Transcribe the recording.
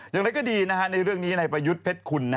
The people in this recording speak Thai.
ยังไงก็ดีนะฮะในเรื่องนี้ในประยุทธ์เผ็ดคุณ